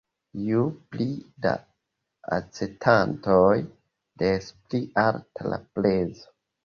Ju pli da aĉetantoj, des pli alta la prezo.